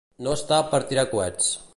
No estar per tirar coets.